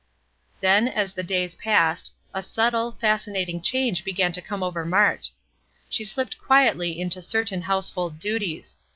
Then, as the days passed, a subtle, fascinating change began to come over Mart. She slipped quietly into certain household duties.